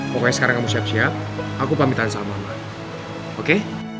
pokoknya sekarang kamu siap siap aku pamitkan salam sama mama oke